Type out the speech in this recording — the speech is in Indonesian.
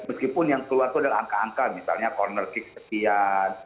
meskipun yang keluar itu adalah angka angka misalnya corner kick sekian